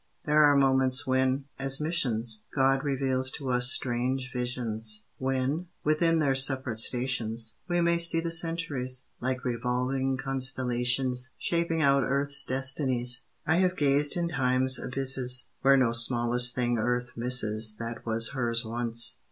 There are moments when, as missions, God reveals to us strange visions; When, within their separate stations, We may see the Centuries, Like revolving constellations Shaping out Earth's destinies. I have gazed in Time's abysses, Where no smallest thing Earth misses That was hers once.